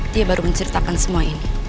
dia baru menceritakan semua ini